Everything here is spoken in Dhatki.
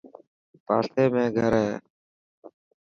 پاسي ۾ گهر هي.